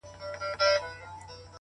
لوړ همت ستړې لارې رڼوي،